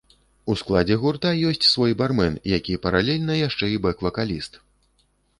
У складзе гурта ёсць свой бармен, які паралельна яшчэ і бэк-вакаліст!